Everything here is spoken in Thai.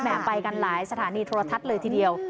ไปกันหลายสถานีโทรทัศน์เลยทีเดียว